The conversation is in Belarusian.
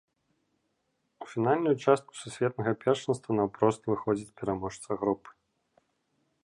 У фінальную частку сусветнага першынства наўпрост выходзіць пераможца групы.